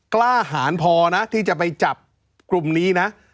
กล้าหารพอนะที่จะไปจับกลุ่มนี้นะ